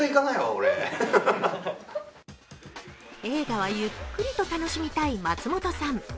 映画はゆっくりと楽しみたい松本さん。